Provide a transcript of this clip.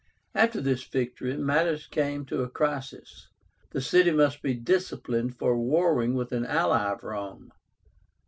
After this victory, matters came to a crisis. The city must be disciplined for warring with an ally of Rome.